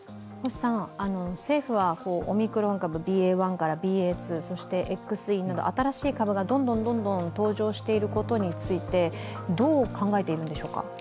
政府はオミクロン株、ＢＡ．１からＢＡ．２、そしてＸＥなど新しい株がどんどん登場していることについてどう考えているんでしょうか？